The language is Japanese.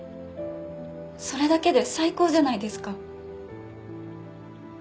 それだけで最高じゃないですか。